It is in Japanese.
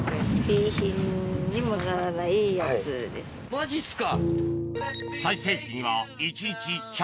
マジっすか？